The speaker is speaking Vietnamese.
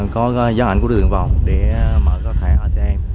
có giá ảnh của đối tượng vào để mở các thẻ atm